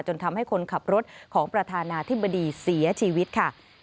จนทำให้คนขับรถของประธานาธิบดีเสียชีวิตค่ะ